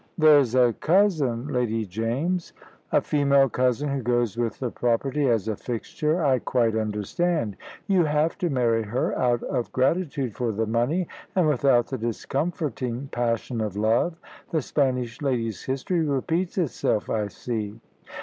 "There's a cousin, Lady James " "A female cousin, who goes with the property, as a fixture. I quite understand. You have to marry her, out of gratitude for the money, and without the discomforting passion of love. The Spanish lady's history repeats itself, I see."